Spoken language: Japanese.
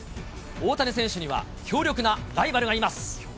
大谷選手には強力なライバルがいます。